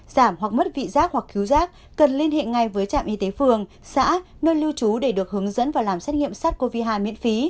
giảm hoặc mất vị giác hoặc cứu giác cần liên hệ ngay với trạm y tế phường xã nơi lưu trú để được hướng dẫn và làm xét nghiệm sát covid một mươi chín miễn phí